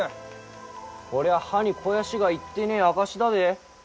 こりゃ葉に肥やしが行ってねえ証しだで。